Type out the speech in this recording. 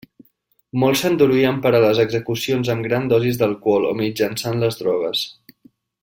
Molts s'endurien per a les execucions amb grans dosis d'alcohol o mitjançant les drogues.